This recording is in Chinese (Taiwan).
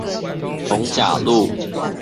逢甲路